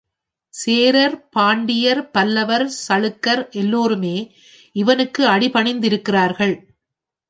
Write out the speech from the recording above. சேரர், பாண்டியர், பல்லவர், சளுக்கர் எல்லோருமே இவனுக்கு அடிபணிந்திருக்கிறார்கள்.